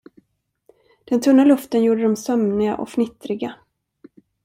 Den tunna luften gjorde dem sömniga och fnittriga.